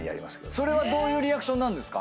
それはどういうリアクションですか？